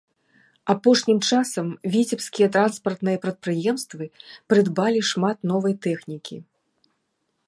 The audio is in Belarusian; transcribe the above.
Апошнім часам віцебскія транспартныя прадпрыемствы прыдбалі шмат новай тэхнікі.